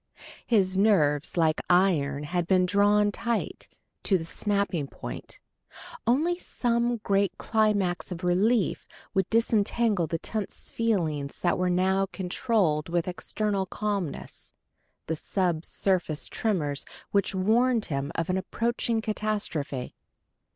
His nerves, like iron, had been drawn tight to the snapping point: only some great climax of relief would disentangle the tense feelings which he now controlled with external calmness, and sub surface tremors which warned him of an approaching catastrophe.